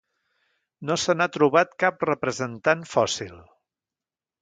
No se n'ha trobat cap representant fòssil.